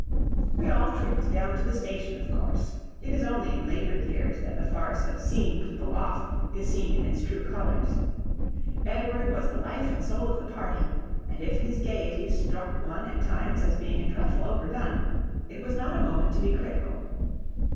We all trooped down to the station, of course; it is only in later years that the farce of "seeing people off" is seen in its true colours. Edward was the life and soul of the party; and if his gaiety struck one at times as being a trifle overdone, it was not a moment to be critical.